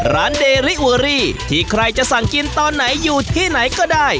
เดริเวอรี่ที่ใครจะสั่งกินตอนไหนอยู่ที่ไหนก็ได้